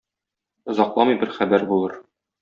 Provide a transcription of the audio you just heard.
Озакламый бер хәбәр булыр.